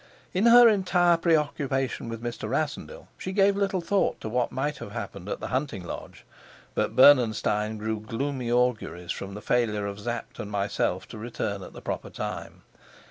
In her entire preoccupation with Mr. Rassendyll, she gave little thought to what might have happened at the hunting lodge; but Bernenstein drew gloomy auguries from the failure of Sapt and myself to return at the proper time.